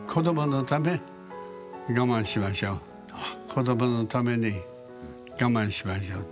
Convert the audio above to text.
子どものために我慢しましょう。